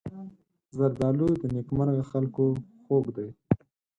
زردالو د نېکمرغه خلکو خوږ دی.